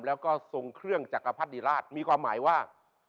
แล้วก็ทรงเครื่องจักรพรรดิราชมีความหมายว่า